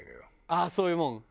あっそういうもん？